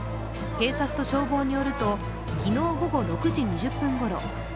警察と消防によると昨日午後６時２０分ごろ